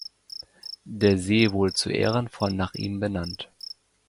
Der See wurde zu Ehren von nach ihm benannt.